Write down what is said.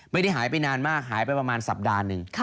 ไม่ได้หายไปนานมากหายไปประมาณสัปดาห์หนึ่ง